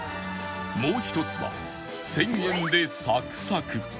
もう一つは１０００円でサクサク